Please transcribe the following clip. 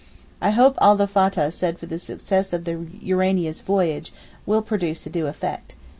I hope all the fattahs said for the success of the 'Urania's' voyage will produce a due effect.